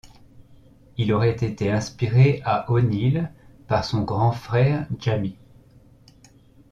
Il aurait été inspiré à O’Neill par son grand frère Jamie.